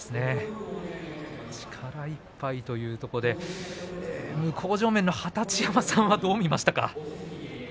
力いっぱいというところで向正面の二十山さんはどう見ましたか？